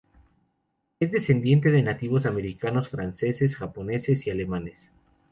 Es descendiente de nativos americanos, franceses, japoneses y alemanes.